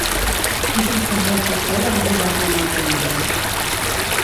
És un predecessor de la moderna Montenegro.